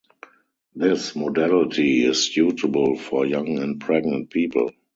This modality is suitable for young and pregnant people.